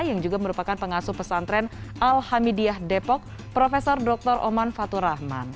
yang juga merupakan pengasuh pesantren alhamidiyah depok prof dr oman faturahman